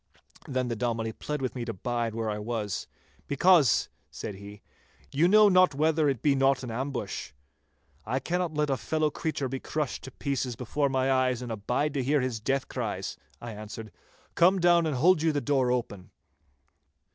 Then the Dominie pled with me to bide where I was 'because,' said he, 'you know not whether it be not an ambush.' 'I cannot let a fellow creature be crushed to pieces before my eyes and abide to hear his death cries,' I answered. 'Come down and hold you the door open.